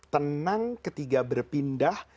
tenang ketika berpindah